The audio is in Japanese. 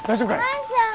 万ちゃん。